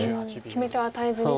決め手を与えずにと。